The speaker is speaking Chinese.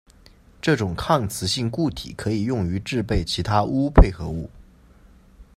这种抗磁性固体可以用于制备其它钨配合物。